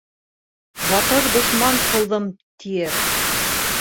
Батыр дошман ҡыуҙым, тиер